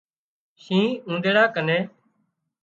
شينهن اُونۮيڙا نين